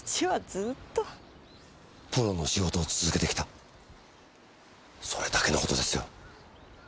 プロの仕事を続けてきたそれだけの事ですよ。